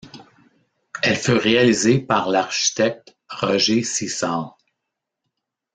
Elles furent réalisées par l'architecte Roger Seassal.